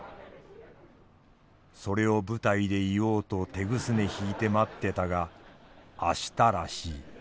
それを舞台で言おうと手ぐすね引いて待ってたが明日らしい。